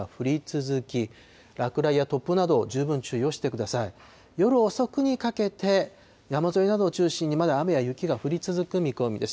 夜遅くにかけて、山沿いなどを中心に、まだ雨や雪が降り続く見込みです。